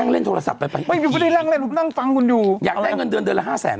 เล่นโทรศัพต์ไม่เป็นประดิษฐ์ลังตังคุณอยู่อยากมีเงินเดือนเดือนละห้าแสน